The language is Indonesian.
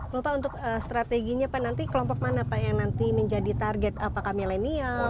bapak untuk strateginya pak nanti kelompok mana pak yang nanti menjadi target apakah milenial